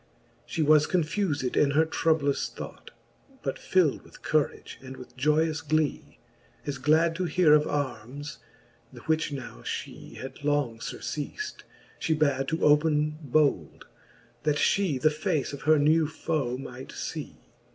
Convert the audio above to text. She was confufed in her troublous thought. But fild with courage and with joyous glee. As glad to heare of armes, the which now fhe Had long furceaft, fhe bad to open bold. That fhe the face of her new foe might fee.